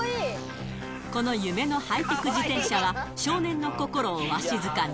この夢のハイテク自転車は、少年の心をわしづかみ。